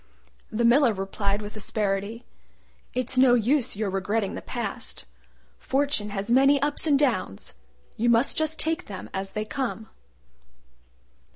The Miller replied with asperity, "It's no use your regretting the past. Fortune has many ups and downs: you must just take them as they come."